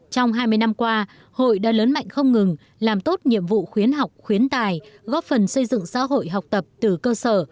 trong hai mươi năm qua hội đã lớn mạnh không ngừng làm tốt nhiệm vụ khuyến học khuyến tài góp phần xây dựng xã hội học tập từ cơ sở